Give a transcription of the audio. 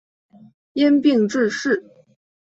因病致仕。